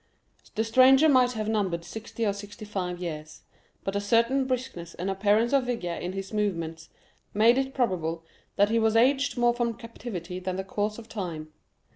The stranger might have numbered sixty or sixty five years; but a certain briskness and appearance of vigor in his movements made it probable that he was aged more from captivity than the course of time.